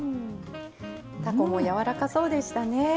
たこもやわらかそうでしたね。